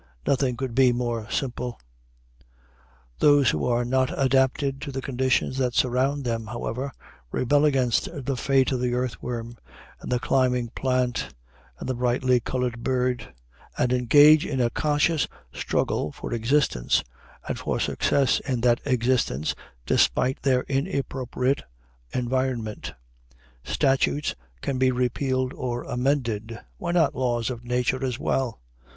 Nothing could be more simple. Those who are not adapted to the conditions that surround them, however, rebel against the fate of the earthworm and the climbing plant and the brightly colored bird, and engage in a conscious struggle for existence and for success in that existence despite their inappropriate environment. Statutes can be repealed or amended; why not laws of nature as well?